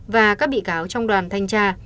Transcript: và các bị cáo trong đoàn thanh tra